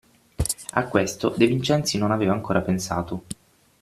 A questo De Vincenzi non aveva ancora pensato.